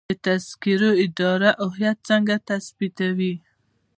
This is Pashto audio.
د تذکرو اداره هویت څنګه تثبیتوي؟